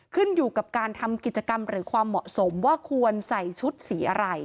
ขึ้นอยู่กับการทำกิจกรรมหรือความเหมาะสมว่าควรใส่ชุดสีอะไร